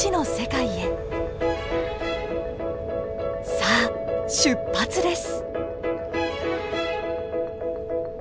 さあ出発です！